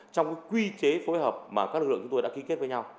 trong cái quy chế phối hợp mà các lực lượng chúng tôi đã ký kết với nhau